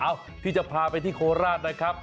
พี่จะพาไปที่โคราชนะครับ